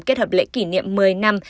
kết hợp lễ kỷ niệm một mươi năm